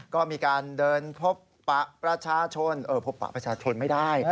ก็มีการเดินพบประชาชนพบปะประชาชนไม่ได้